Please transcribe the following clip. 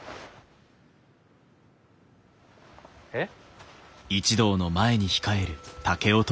えっ？